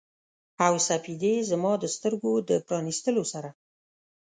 او سپیدې زما د سترګو د پرانیستلو سره